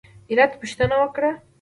علت پوښتنه وکړه.